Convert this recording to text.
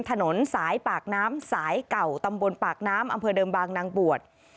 ถนนสายปากน้ำสายเก่าตำบลปากน้ำอำเภอเดิมบางนางบวช